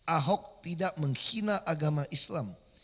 ahok tidak menghina agama islam